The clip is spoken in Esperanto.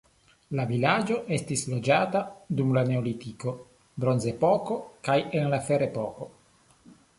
La vilaĝo estis loĝata dum la neolitiko, bronzepoko kaj en la ferepoko.